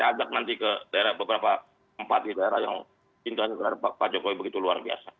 saya ajak nanti ke beberapa empat daerah yang cintakan kepada pak jokowi begitu luar biasa